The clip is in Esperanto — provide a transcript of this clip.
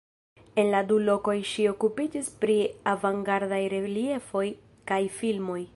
En la du lokoj ŝi okupiĝis pri avangardaj reliefoj kaj filmoj.